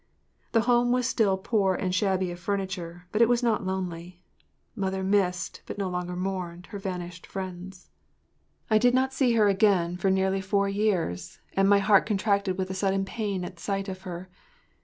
The home was still poor and shabby of furniture, but it was not lonely. Mother missed, but no longer mourned, her vanished friends. I did not see her again for nearly four years, and my heart contracted with a sudden pain at sight of her.